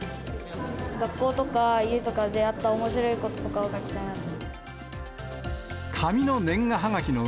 学校とか家とかであったおもしろいこととかを書きたい。